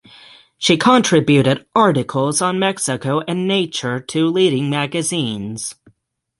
She contributed articles on Mexico and nature to leading magazines.